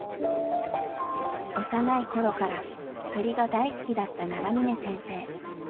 幼い頃から鳥が大好きだった長嶺先生。